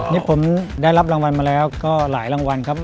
นี่ผมได้รับรางวัลมาแล้วก็หลายรางวัลครับ